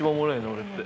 俺って。